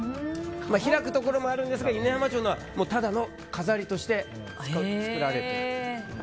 開くところもあるんですが犬山城の窓はただの飾りとして作られています。